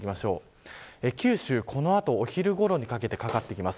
九州はこの後、お昼ごろにかけてかかってきます。